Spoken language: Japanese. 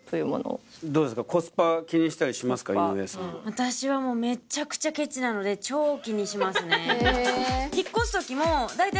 私はもうめちゃくちゃケチなので超気にしますね。